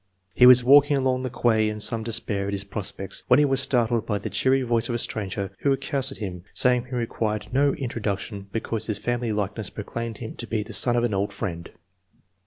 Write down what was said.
He was walking along the quay in some despair at his prospects, when he was startled by the cheery voice of a stranger who accosted him, saying he required no intro I.] ANTECEDENTS. 15 duction because his family likeness proclaimed him to be the son of an old firiend.